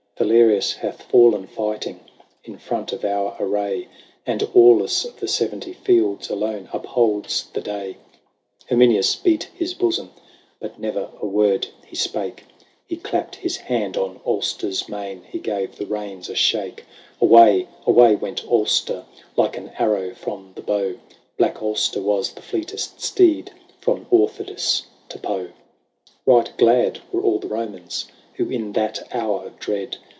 Valerius hath fallen fighting In front of our array ; And Aulus of the seventy fields Alone upholds the day." 120 LAYS or ANCIENT EOME. XXV. Herminius beat his bosom ; But never a word he spake. He clapped his hand on Auster's mane ; He gave the reins a shake, Away, away, went Auster, Like an arrow from the bow : Black Auster was the fleetest steed From Aufidus to Po. XXVI. Right glad were all the Romans Who, in that hour of dread.